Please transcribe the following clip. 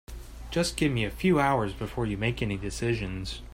Just give me a few hours before you make any decisions.